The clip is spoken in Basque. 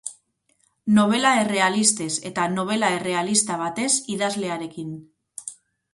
Nobela errealistez eta nobela errealista batez idazlearekin.